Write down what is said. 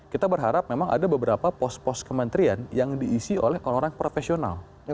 kita berharap memang ada beberapa pos pos kementerian yang diisi oleh orang orang profesional